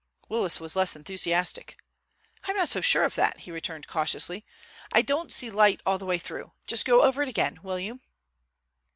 Willis was less enthusiastic. "I'm not so sure of that," he returned cautiously. "I don't see light all the way through. Just go over it again, will you?"